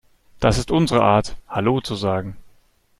Das ist unsere Art, Hallo zu sagen.